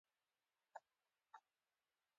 کچالو د خلکو د زړونو ملګری دی